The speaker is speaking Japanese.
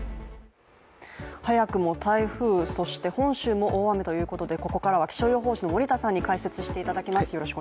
早くも台風、そして本州も大雨ということでここからは気象予報士の森田さんに解説していただきます。